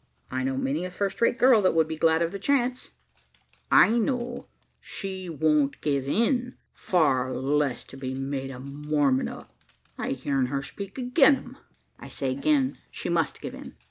I know many a first rate girl that would be glad of the chance." "I know she won't give in far less to be made a Mormon o'. I've heern her speak agin 'em." "I say again, she must give in.